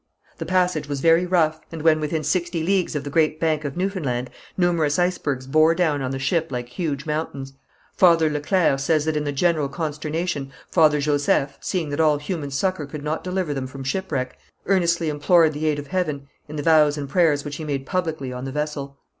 The passage was very rough, and when within sixty leagues of the Great Bank of Newfoundland, numerous icebergs bore down on the ship like huge mountains. Father Le Clercq says that in the general consternation Father Joseph, seeing that all human succour could not deliver them from shipwreck, earnestly implored the aid of heaven in the vows and prayers which he made publicly on the vessel.